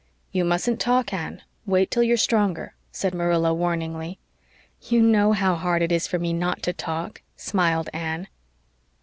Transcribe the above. "You mustn't talk, Anne wait till you're stronger," said Marilla warningly. "You know how hard it is for me NOT to talk," smiled Anne.